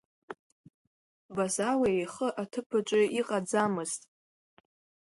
Базала ихы аҭыԥаҿы иҟаӡамызт.